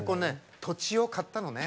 土地を買ったのね。